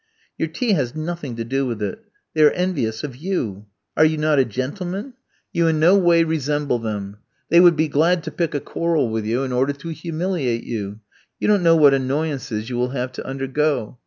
"Your tea has nothing to do with it. They are envious of you. Are you not a gentleman? You in no way resemble them. They would be glad to pick a quarrel with you in order to humiliate you. You don't know what annoyances you will have to undergo.